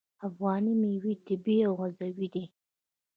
افغاني میوې طبیعي او عضوي دي.